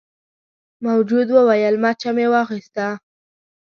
موجود وویل مچه مې واخیسته.